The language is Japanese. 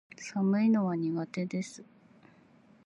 寒いのは苦手です